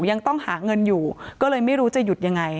ยังต้องหาเงินอยู่ก็เลยไม่รู้จะหยุดยังไง